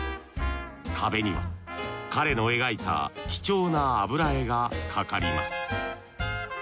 壁には彼の描いた貴重な油絵が掛かります